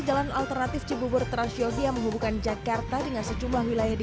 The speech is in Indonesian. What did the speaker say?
jalan alternatif cibubur transyogi yang menghubungkan jakarta dengan sejumlah wilayah di